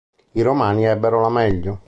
I Romani ebbero la meglio.